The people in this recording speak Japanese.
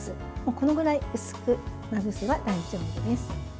このくらい薄くまぶせば大丈夫です。